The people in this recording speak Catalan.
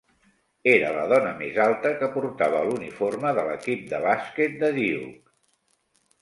Era la dona més alta que portava l'uniforme de l'equip de bàsquet de Duke.